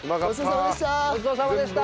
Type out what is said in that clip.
ごちそうさまでした！